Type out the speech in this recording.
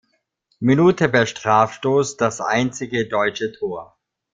Minute per Strafstoß das einzige deutsche Tor.